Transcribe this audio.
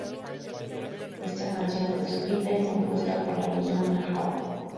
Esta canción, fue escrita y compuesta por la misma Najwa.